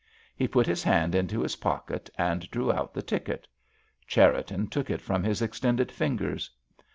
He put his hand into his pocket and drew out the ticket. Cherriton took it from his extended fingers.